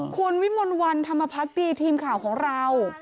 คุณวิมลวันธรรมพักดีทีมข่าวของเรา